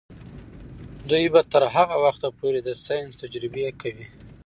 دوی به تر هغه وخته پورې د ساینس تجربې کوي.